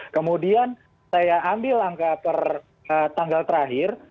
kemudian saya ambil angka per tanggal terakhir